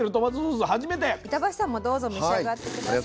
板橋さんもどうぞ召し上がって下さい。